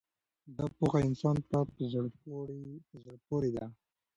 دا پوهه انسان ته په زړه پورې ده.